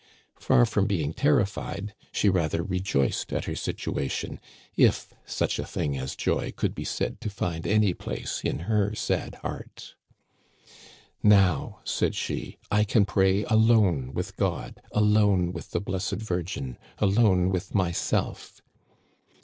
Far from being terrified, she rather rejoiced at her situa tion, if such a thing as joy could be said to find any place in her sad heart. "* Now,' said she, * I can pray alone with God, alone with the Blessed Virgin, alone with myself